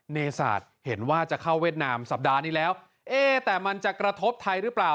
เนศาสตร์เห็นว่าจะเข้าเวียดนามสัปดาห์นี้แล้วเอ๊ะแต่มันจะกระทบไทยหรือเปล่า